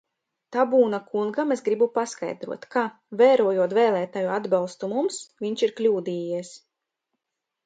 Tabūna kungam es gribu paskaidrot, ka, vērtējot vēlētāju atbalstu mums, viņš ir kļūdījies.